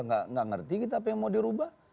tidak mengerti kita apa yang mau dirubah